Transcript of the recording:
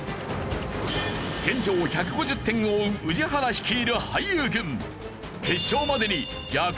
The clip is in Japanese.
現状１５０点を追う宇治原率いる俳優軍。